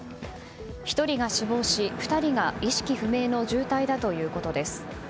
１人が死亡し、２人が意識不明の重体だということです。